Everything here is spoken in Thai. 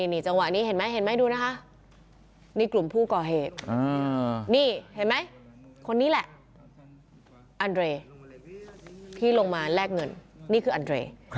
นี่จังหวะนี้เห็นไหมเห็นไหมดูนะคะนี่กลุ่มผู้ก่อเหตุนี่เห็นไหมคนนี้แหละอันเรย์ที่ลงมาแลกเงินนี่คืออันเรย์